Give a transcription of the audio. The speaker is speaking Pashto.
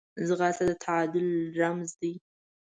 ځغاسته د تعادل رمز دی